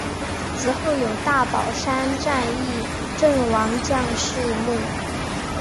祠后有大宝山战役阵亡将士墓。